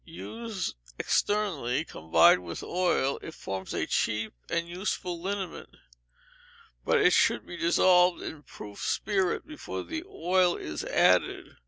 Used externally, combined with oil, it forms a cheap and useful liniment, but it should be dissolved in proof spirit before the oil is added.